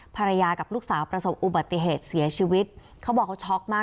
ภรรยากับลูกสาวประสบอุบัติเหตุเสียชีวิตเขาบอกเขาช็อกมาก